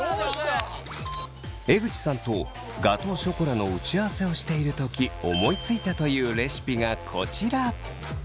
江口さんとガトーショコラの打ち合わせをしている時思いついたというレシピがこちら。